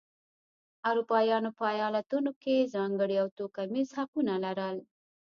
اروپایانو په ایالتونو کې ځانګړي او توکمیز حقونه لرل.